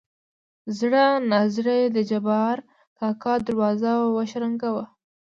زړه نازړه يې د جبار کاکا دروازه وشرنګه وه.